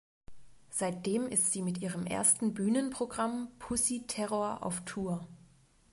Seitdem ist sie mit ihrem ersten Bühnenprogramm "Pussy Terror" auf Tour.